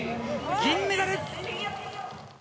銀メダル。